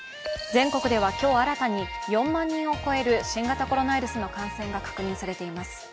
全国では今日新たに４万人を超える新型コロナウイルスの感染が確認されています。